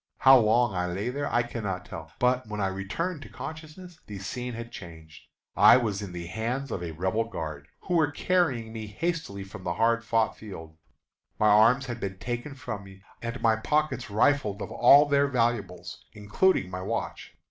How long I lay there I cannot tell; but when I returned to consciousness the scene had changed. I was in the hands of a Rebel guard, who were carrying me hastily from the hard fought field. My arms had been taken from me, and my pockets rifled of all their valuables, including my watch.